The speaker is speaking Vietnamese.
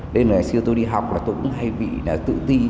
nên là ngày xưa tôi đi học là tôi cũng hay bị tự ti